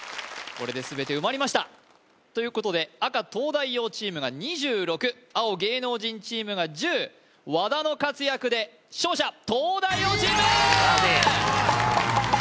これで全て埋まりましたということで赤東大王チームが２６青芸能人チームが１０和田の活躍で勝者東大王チーム！